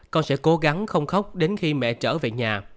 con sẽ cố gắng không khóc đến khi mẹ trở về nhà